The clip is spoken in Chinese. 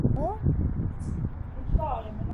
睦边青冈为壳斗科青冈属下的一个变种。